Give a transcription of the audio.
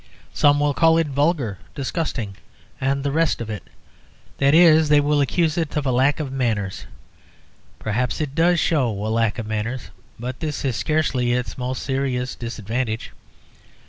Some will call it vulgar, disgusting, and the rest of it; that is, they will accuse it of a lack of manners. Perhaps it does show a lack of manners; but this is scarcely its most serious disadvantage.